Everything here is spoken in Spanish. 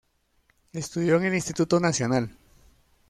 Estudió en el Instituto Nacional.